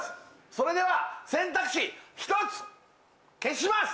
それでは選択肢１つ消します！